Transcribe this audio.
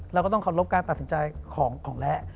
เราก็ต้องเคารพการตัดสินใจของและ